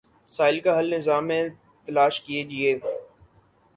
مسائل کا حل نظام میں تلاش کیجیے۔